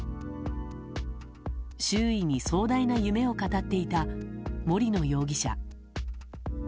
周囲に壮大な夢を語っていた森野容疑者。